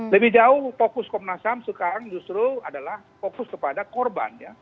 lebih jauh fokus komnas ham sekarang justru adalah fokus kepada korban ya